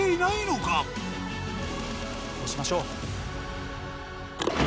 こうしましょう。